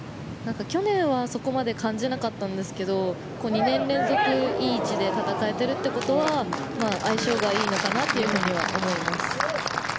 去年はそこまで感じなかったんですが２年連続、いい位置で戦えているっていうことは相性がいいのかなっていうふうには思います。